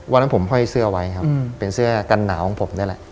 วันนั้นผมห้อยเสื้อไว้ครับเป็นเสื้อกันหนาวของผมนี่แหละ